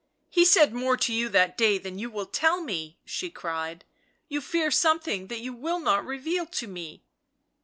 " He said more to you that day than you will tell me!" she cried. "'You fear something that you will not reveal to me